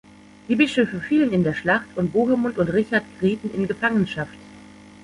Die Bischöfe fielen in der Schlacht und Bohemund und Richard gerieten in Gefangenschaft.